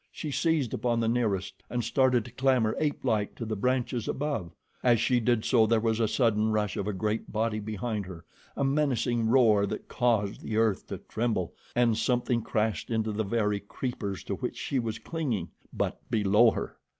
She seized upon the nearest and started to clamber, apelike, to the branches above. As she did so, there was a sudden rush of a great body behind her, a menacing roar that caused the earth to tremble, and something crashed into the very creepers to which she was clinging but below her.